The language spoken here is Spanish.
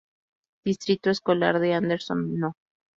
Distrito Escolar de Anderson No.